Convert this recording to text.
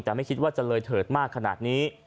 แต่ไม่คิดว่าจะเลยเถิดมากขนาดนี้